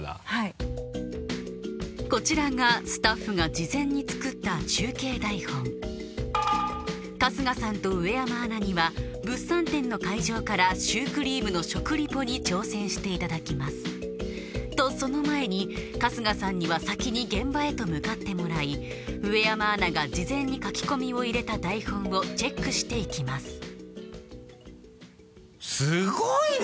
こちらがスタッフが事前に作った中継台本春日さんと上山アナには物産展の会場からシュークリームの食リポに挑戦していただきますとその前に春日さんには先に現場へと向かってもらい上山アナが事前に書き込みを入れた台本をチェックしていきますすごいね！